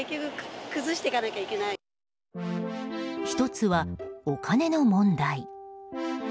１つは、お金の問題。